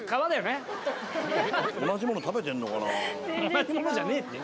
同じものじゃねえって。